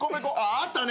あったね